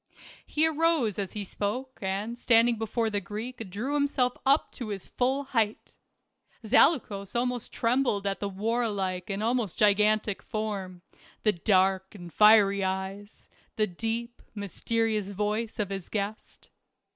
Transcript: He arose as he spoke and standing before the Greek drew himself up to his full height. Zaleukos almost trembled at the war like and almost gigantic form, the dark and fiery eyes, the deep, mysterious voice of his guest.